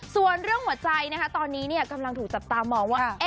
ส่วนเรื่องหัวใจนะคะตอนนี้กำลังถูกจับตามองว่า